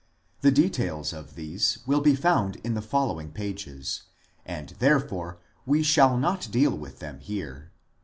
The details of these will be found in the following pages, and therefore we shall not deal with them here.